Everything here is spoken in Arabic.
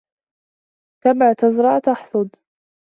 كما تزرع تحصد